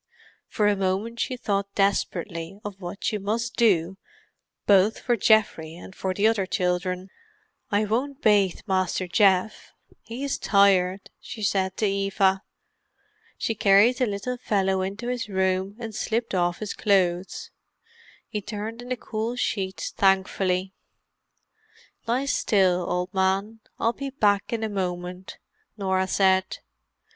For a moment she thought desperately of what she must do both for Geoffrey and for the other children. "I won't bath Master Geoff; he is tired," she said to Eva. She carried the little fellow into his room and slipped off his clothes; he turned in the cool sheets thankfully. "Lie still, old man; I'll be back in a moment," Norah said.